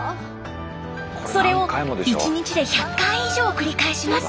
それを１日で１００回以上繰り返します。